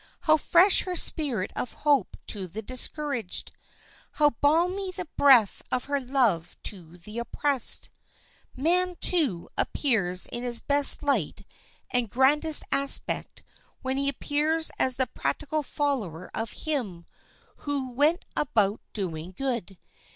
How fresh her spirit of hope to the discouraged! How balmy the breath of her love to the oppressed! Man, too, appears in his best light and grandest aspect when he appears as the practical follower of Him who went about doing good.